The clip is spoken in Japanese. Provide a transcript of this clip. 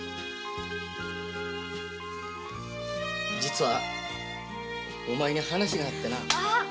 実はお前に話があってなぁ。